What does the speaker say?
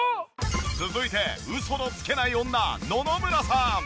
続いてウソのつけない女野々村さん！